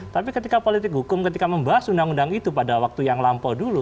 tapi ketika politik hukum ketika membahas undang undang itu pada waktu yang lampau dulu